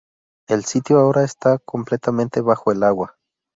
El sitio ahora está completamente bajo el agua.